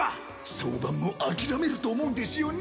総番も諦めると思うんですよね